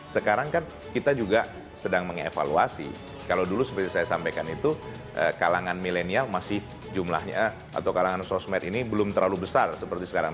sekarang kan kita juga sedang mengevaluasi kalau dulu seperti saya sampaikan itu kalangan milenial masih jumlahnya atau kalangan sosmed ini belum terlalu besar seperti sekarang